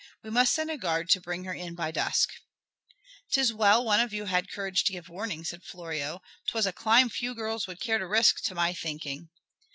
We must send a guard to bring her in by dusk." "'Tis well one of you had courage to give the warning," said Florio. "'Twas a climb few girls would care to risk to my thinking."